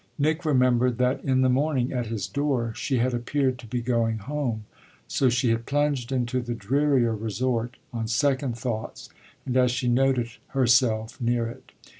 Nick remembered that in the morning, at his door, she had appeared to be going home; so she had plunged into the drearier resort on second thoughts and as she noted herself near it.